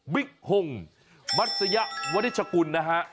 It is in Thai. บิ๊กฮงมัสยะวริชกุลนะฮะ